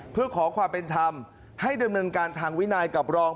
เพื่อขอความเป็นธรรมให้ดำเนินการทางวินัยกับรอง